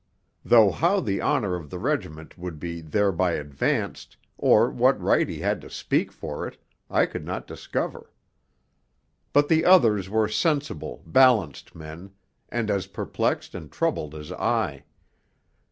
Though how the honour of the regiment would be thereby advanced, or what right he had to speak for it, I could not discover. But the others were sensible, balanced men, and as perplexed and troubled as I.